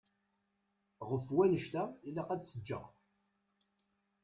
Ɣef wannect-a ilaq ad tt-ǧǧeɣ.